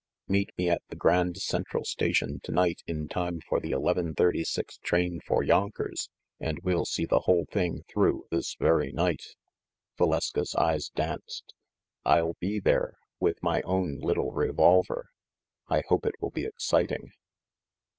Meet me at the Grand Central Station to night in time for the eleven thirty six train for Yonkers, and we'll see the whole thing through this very night." 160 THE MASTER OF MYSTERIES Valeska's eyes danced. "I'll be there, with my own little revolver! I hope it will be exciting!"